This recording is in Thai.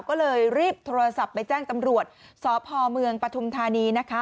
ก็เลยรีบโทรศัพท์ไปแจ้งตำรวจสพเมืองปฐุมธานีนะคะ